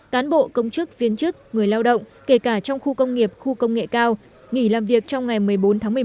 cán bộ công chức viên chức người lao động kể cả trong khu công nghiệp khu công nghệ cao nghỉ làm việc trong ngày một mươi bốn tháng một mươi một